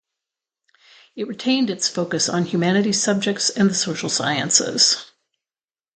It retained its focus on humanities subjects and the social sciences.